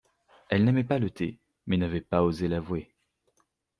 Elle n’aimait pas le thé, mais n’avait pas osé l’avouer.